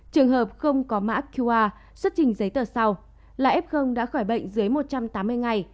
trường hợp không có mã qr xuất trình giấy tờ sau là f đã khỏi bệnh dưới một trăm tám mươi ngày